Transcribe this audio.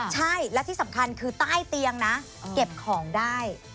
ใช่และที่สำคัญคือใต้เตียงนะเก็บของได้